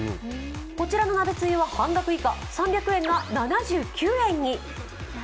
こちらの鍋つゆは半額以下、３００円が７９円に。